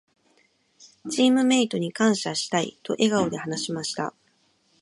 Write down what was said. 「チームメイトに感謝したい」と笑顔で話しました。